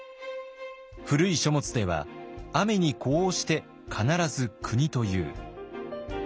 古い書物では「アメ」に呼応して必ず「クニ」と言う。